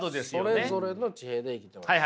「それぞれの地平で生きてます」。